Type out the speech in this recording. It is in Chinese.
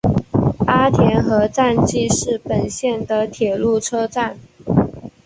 阿田和站纪势本线的铁路车站。